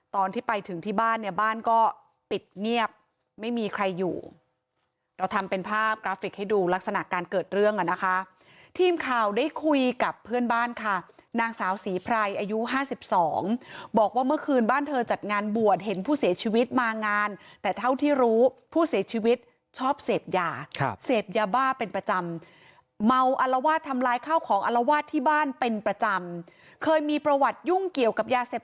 ตอนที่ไปถึงที่บ้านเนี่ยบ้านก็ปิดเงียบไม่มีใครอยู่เราทำเป็นภาพกราฟิกให้ดูลักษณะการเกิดเรื่องอ่ะนะคะทีมข่าวได้คุยกับเพื่อนบ้านค่ะนางสาวสีพรายอายุห้าสิบสองบอกว่าเมื่อคืนบ้านเธอจัดงานบวชเห็นผู้เสียชีวิตมางานแต่เท่าที่รู้ผู้เสียชีวิตชอบเสพยาครับเสพยาบ้าเป็นประจำเมาอลวา